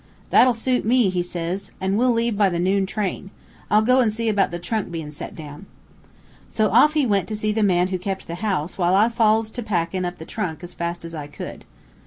"'That'll suit me,' he says, 'an' we'll leave by the noon train. I'll go an' see about the trunk bein' sent down.' "So off he went to see the man who kept the house, while I falls to packin' up the trunk as fast as I could."